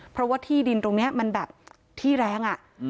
เพราะว่าที่ดินตรงนี้มันแบบที่แรง